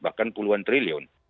bahkan puluhan triliun